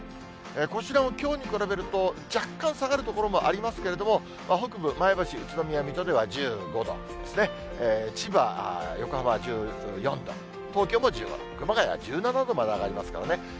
こちらもきょうに比べると、若干下がる所もありますけれども、北部、前橋、宇都宮、水戸では１５度ですね、千葉、横浜は１４度、東京も１５度、熊谷１７度まで上がりますからね。